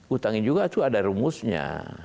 utangnya juga itu ada rumusnya